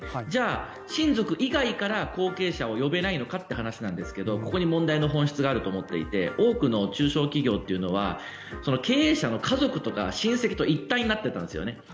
じゃあ、親族以外から後継者を呼べないのかという話なんですがここに問題の本質があると思っていて多くの中小企業というのは経営者の家族とか親戚と一体になっていたんですよね。